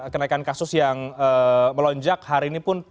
kenaikan kasus yang melonjak hari ini pun